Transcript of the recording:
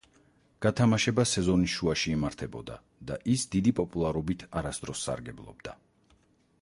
გათამაშება სეზონის შუაში იმართებოდა და ის დიდი პოპულარობით არასდროს სარგებლობდა.